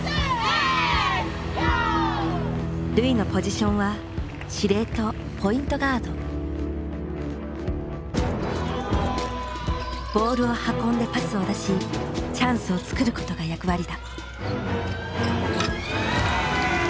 瑠唯のポジションはボールを運んでパスを出しチャンスをつくることが役割だ。